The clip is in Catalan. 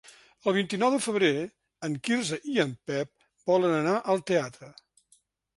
El vint-i-nou de febrer en Quirze i en Pep volen anar al teatre.